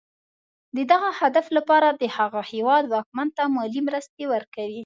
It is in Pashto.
د دغه هدف لپاره د هغه هېواد واکمن ته مالي مرستې ورکوي.